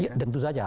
iya tentu saja